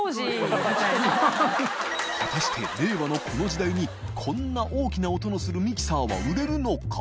祺未燭靴令和のこの時代に海鵑大きな音のするミキサーは売れるのか？